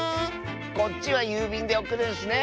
こっちはゆうびんでおくるんスね！